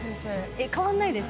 えっ変わんないです